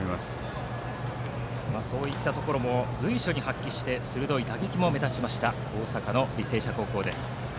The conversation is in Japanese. そういったところも随所に発揮して鋭い打撃も目立った大阪の履正社高校。